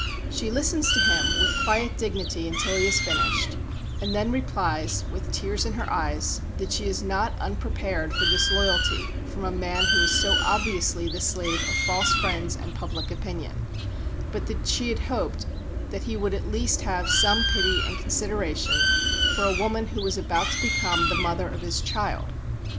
She listens to him with quiet dignity until he has finished, and then replies, with tears in her eyes, that she is not unprepared for disloyalty from a man who is so obviously the slave of false friends and of public opinion, but that she had hoped that he would at least have some pity and consideration for a woman who was about to become the mother of his child.